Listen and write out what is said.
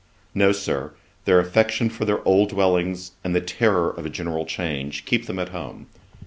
No, Sir; their affection for their old dwellings, and the terrour of a general change, keep them at home.